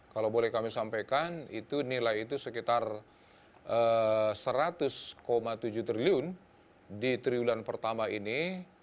kalau boleh kami sampaikan itu nilai itu sekitar rp seratus tujuh triliun di triwulan pertama ini